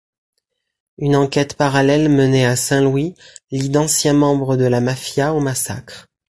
Une enquête parallèle menée à Saint-Louis lie d'anciens membres de la mafia au massacre.